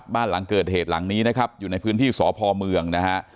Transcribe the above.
บ้านหลังเกิดเหตุหลังนี้อยู่ในพื้นที่สพเมือง